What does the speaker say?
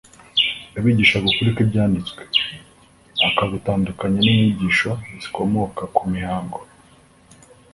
yabigishaga ukuri kw’ibyanditswe, akagutandukanya n’inyigisho zikomoka ku mihango